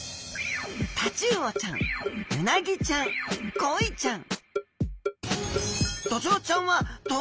タチウオちゃんウナギちゃんコイちゃん